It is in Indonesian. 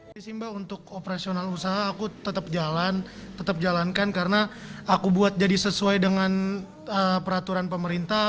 ini sih mbak untuk operasional usaha aku tetap jalan tetap jalankan karena aku buat jadi sesuai dengan peraturan pemerintah